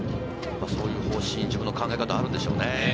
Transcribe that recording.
そういう方針、自分の考え方があるんでしょうね。